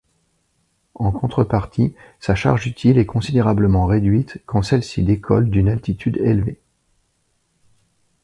En contrepartie, sa charge utile est considérablement réduite quand celui-ci décolle d'une altitude élevée.